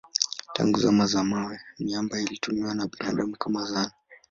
Tangu zama za mawe miamba ilitumiwa na binadamu kama zana.